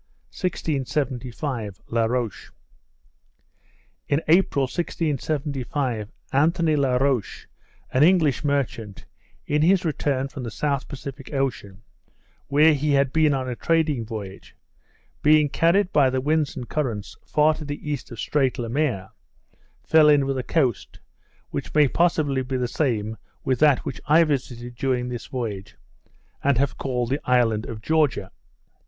1675 La Roche. In April, 1675, Anthony la Roche, an English merchant, in his return from the South Pacific Ocean, where he had been on a trading voyage, being carried by the winds and currents, far to the east of Strait Le Maire, fell in with a coast, which may possibly be the same with that which I visited during this voyage, and have called the Island of Georgia.